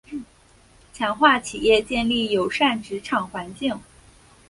强化企业建立友善职场环境